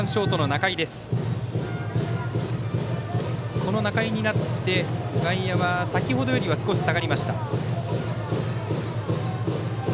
仲井になって、外野は先程よりは少し下がりました。